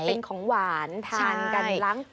เป็นของหวานทานกันล้างตัว